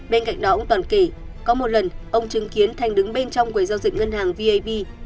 bên cạnh đó ông toàn kỳ có một lần ông chứng kiến thành đứng bên trong quầy giao dịch ngân hàng vip